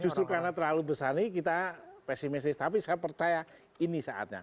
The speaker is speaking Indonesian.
justru karena terlalu besar ini kita pesimis tapi saya percaya ini saatnya